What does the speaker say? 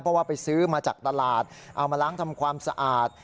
เพราะว่าไปซื้อมาจากตลาดเอามาล้างทำความสะอาด